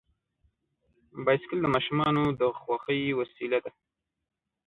بایسکل د ماشومانو د خوښۍ وسیله ده.